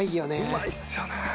うまいっすよね。